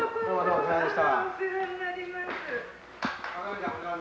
お世話になります。